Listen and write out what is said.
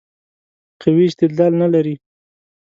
قوي استدلال نه لري.